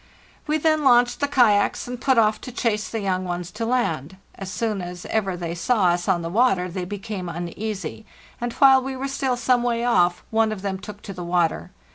We then launched the kayaks, and put off to chase the young ones to land. As soon as ever they saw us on the water they became uneasy, and while we were still some way off one of them took to the water.